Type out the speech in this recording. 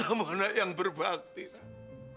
kamu anak yang berbakti nak